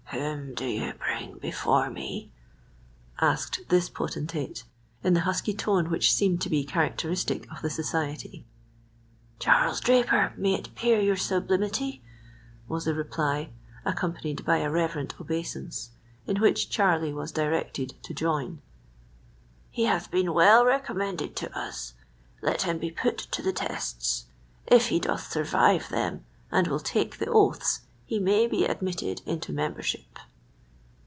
"Whom do you bring before me?" asked this potentate, in the husky tone which seemed to be characteristic of the society. "Charles Draper, may it please your sublimity," was the reply, accompanied by a reverent obeisance, in which Charlie was directed to join. "He hath been well recommended to us. Let him be put to the tests. If he doth survive them and will take the oaths, he may be admitted into membership."